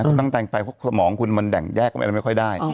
คุณตั้งใจไปเพราะสมองคุณมันแกร่งแยกไม่ค่อยได้